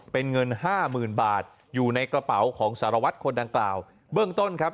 เป็นเงินห้าหมื่นบาทอยู่ในกระเป๋าของสารวัตรคนดังกล่าวเบื้องต้นครับ